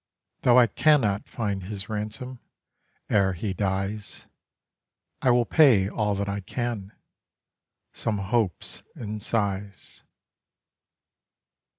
Though I cannot find his ransom, Ere he dies; I will pay all that I can—some Hopes and sighs.